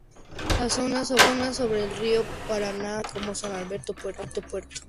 La zona sobre el río Paraná se conoce como San Alberto Puerto.